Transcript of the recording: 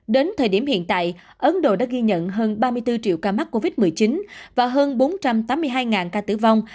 đến thời điểm hiện tại ấn độ đã ghi nhận hơn ba mươi bốn triệu ca mắc covid một mươi chín và hơn bốn trăm tám mươi hai ca tử vong